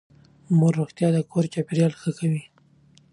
د مور روغتيا د کور چاپېريال ښه کوي.